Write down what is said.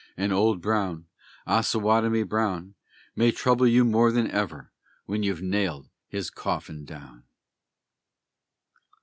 And Old Brown, Osawatomie Brown, May trouble you more than ever, when you've nailed his coffin down!